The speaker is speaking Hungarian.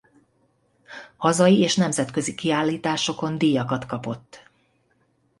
Hazai és nemzetközi kiállításokon díjakat kapott.